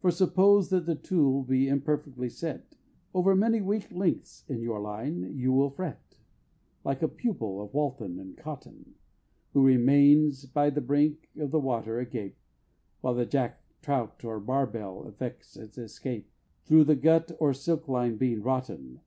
For suppose that the tool be imperfectly set, Over many weak lengths in your line you will fret, Like a pupil of Walton and Cotton, Who remains by the brink of the water, agape, While the jack, trout, or barbel effects its escape Thro' the gut or silk line being rotten.